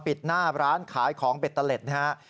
ปิดหน้าร้านขายของเบ็ดตะเล็ดนะครับ